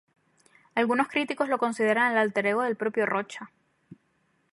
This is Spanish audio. Algunos críticos lo consideran el álter ego del propio Rocha.